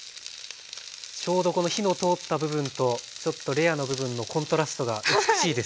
ちょうどこの火の通った部分とちょっとレアの部分のコントラストが美しいです。